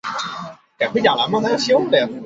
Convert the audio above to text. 项目有空调系统的行人天桥连接澳门银河。